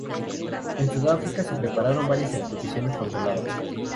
En Sudáfrica, se prepararon varias explosiones controladas.